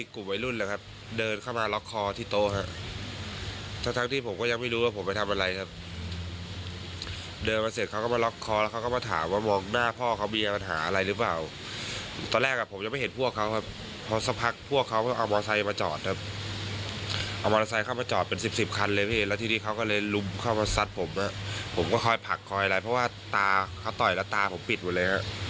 เข้ามาซัดผมอ่ะผมก็คอยผลักคอยอะไรเพราะว่าตาเขาต่อยแล้วตาผมปิดหมดเลยอ่ะ